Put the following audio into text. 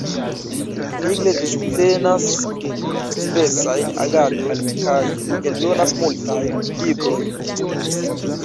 Vigle ĝi subtenas diversajn agadojn kaj eldonas multajn librojn.